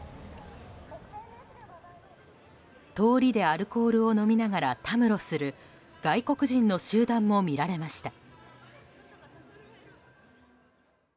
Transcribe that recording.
通りでアルコールを飲みながらたむろする外国人の集団も見られました。